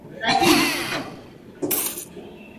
Este concepto fue de uso específico en la gramática.